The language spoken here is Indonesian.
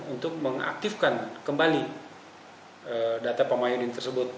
untuk mengaktifkan kembali data pak mahyudin tersebut